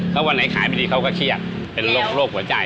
ถ้าวันไหนขายไม่ดีเขาก็เครียดเป็นโรคหัวใจ